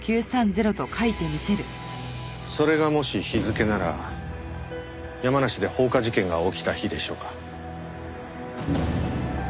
それがもし日付なら山梨で放火事件が起きた日でしょうか。